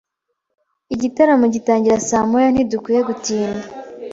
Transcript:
Igitaramo gitangira saa moya. Ntidukwiye gutinda.